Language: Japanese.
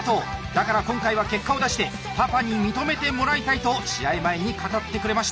だから今回は結果を出してパパに認めてもらいたいと試合前に語ってくれました。